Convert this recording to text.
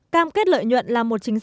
cam kết lợi nhuận là một chính sách